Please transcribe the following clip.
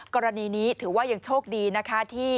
กรณีนี้ถือว่ายังโชคดีนะคะที่